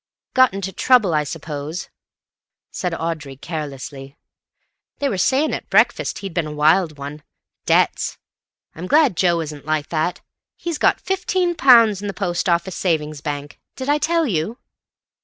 "Got into trouble, I suppose," said Audrey carelessly. "They were saying at breakfast he'd been a wild one. Debts. I'm glad Joe isn't like that. He's got fifteen pounds in the post office savings' bank. Did I tell you?"